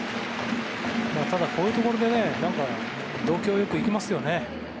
ただ、こういうところで度胸よくいきますよね。